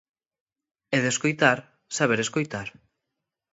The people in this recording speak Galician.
E de escoitar, saber escoitar.